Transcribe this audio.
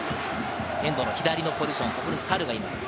遠藤の左のポジションにサルがいます。